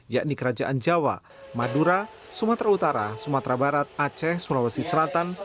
yakni kerajaan jawa madura sumatera utara sumatera barat aceh sulawesi selatan